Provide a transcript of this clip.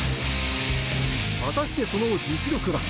果たしてその実力は？